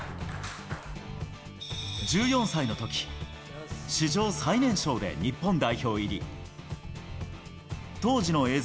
１４歳のとき、史上最年少で日本代表入り。